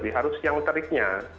harus siang teriknya